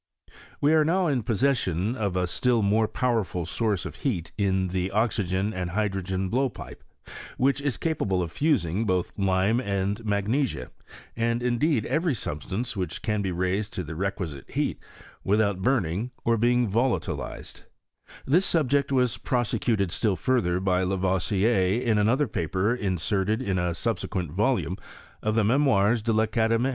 We are now in possession of a still more powerful source of heat in the oxygen and hydrogen blowpipe, whicl^, is capable of fusing both lime and magnesia, and, indeed, every substance which can be raised to the requisite heat without burning or beiog volatiliEed This subject was prosecuted ttill further by Lavoisier in another paper inserted is a ■ubsequcnl volumeofthe Memoires de I'Academie.